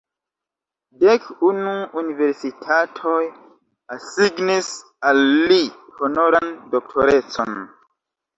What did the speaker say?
Dek unu universitatoj asignis al li honoran doktorecon.